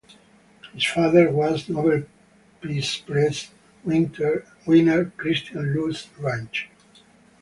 His father was Nobel Peace Prize winner Christian Lous Lange.